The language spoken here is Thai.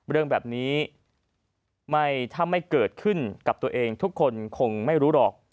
เรื่องแบบนี้ถ้าไม่เกิดขึ้นกับตัวเองทุกคนคงไม่รู้หรอก